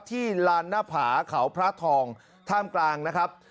ลานหน้าผาเขาพระทองท่ามกลางนะครับ